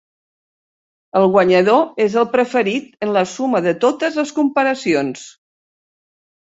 El guanyador és el preferit en la suma de totes les comparacions.